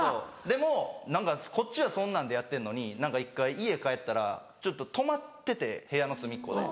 でも何かこっちはそんなんでやってるのに何か１回家帰ったらちょっと止まってて部屋の隅っこで。